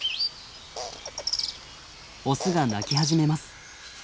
オスが鳴き始めます。